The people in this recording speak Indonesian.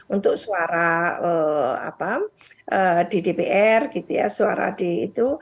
untuk suara ddpr suara d itu